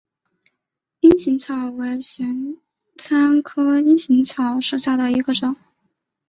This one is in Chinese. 阴行草为玄参科阴行草属下的一个种。